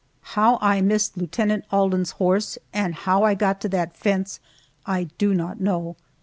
How I missed Lieutenant Alden's horse, and how I got to that fence, I do not know.